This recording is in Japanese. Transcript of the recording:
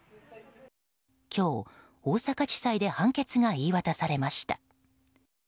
今日、大阪地裁で判決が言い渡されました。